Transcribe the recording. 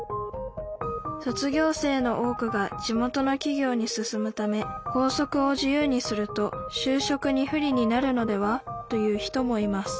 卒業生の多くが地元のきぎょうに進むため「校則を自由にすると就職に不利になるのでは？」という人もいます